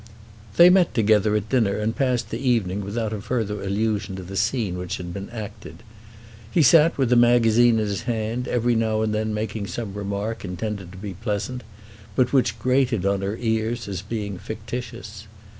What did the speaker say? They met together at dinner and passed the evening without a further allusion to the scene which had been acted. He sat with a magazine in his hand, every now and then making some remark intended to be pleasant but which grated on her ears as being fictitious.